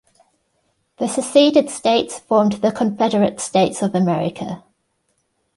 The seceded states formed the Confederate States of America.